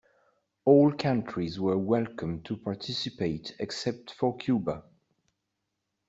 All countries were welcome to participate except for Cuba.